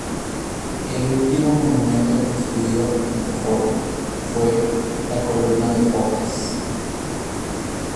El último monumento construido en el Foro fue la Columna de Focas.